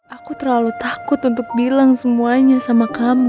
aku terlalu takut untuk bilang semuanya sama kamu